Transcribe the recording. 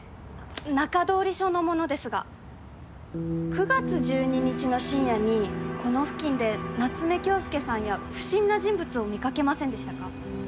中通り署の者ですが９月１２日の深夜にこの付近で夏目恭輔さんや不審な人物を見かけませんでしたか？